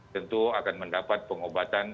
tentu akan mendapat pengobatan